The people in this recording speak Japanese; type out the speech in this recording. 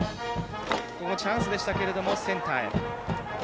チャンスでしたけれどもセンターへ。